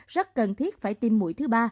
rất cần thiết phải tiêm mũi thứ ba